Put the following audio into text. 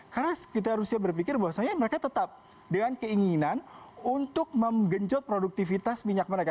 karena sekitar rusia berpikir bahwa sebenarnya mereka tetap dengan keinginan untuk menggenjot produktivitas minyak mereka